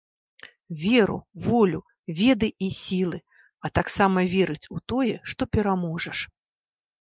Веру, волю, веды і сілы, а таксама верыць у тое, што пераможаш.